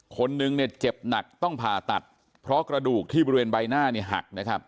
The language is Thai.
คนนึงเจ็บหนักต้องผ่าตัดเพราะกระดูกที่บริเวณใบหน้าหัก